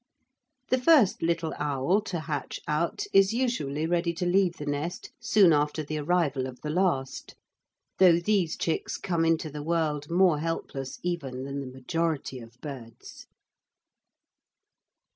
The first little owl to hatch out is usually ready to leave the nest soon after the arrival of the last, though these chicks come into the world more helpless even than the majority of birds.